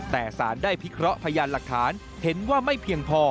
แต่สารได้พิเคราะห์พยานหลักฐานเห็นว่าไม่เพียงพอ